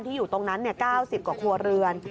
อยู่ตรงนั้น๙๐กว่าครัวเรือน